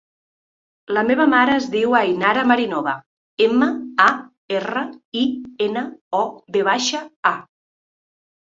La meva mare es diu Ainara Marinova: ema, a, erra, i, ena, o, ve baixa, a.